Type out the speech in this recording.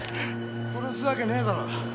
殺すわけねえだろ。